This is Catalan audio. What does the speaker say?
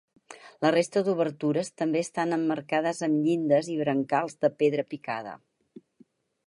La resta d'obertures també estan emmarcades amb llindes i brancals de pedra picada.